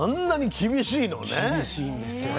厳しいんですよね。